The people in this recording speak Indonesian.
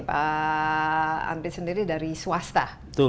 pak andri sendiri dari swasta